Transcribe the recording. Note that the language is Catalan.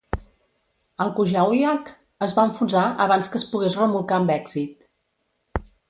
El "Kujawiak" es va enfonsar abans que es pogués remolcar amb èxit.